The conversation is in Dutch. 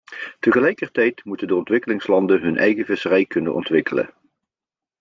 Tegelijkertijd moeten de ontwikkelingslanden hun eigen visserij kunnen ontwikkelen.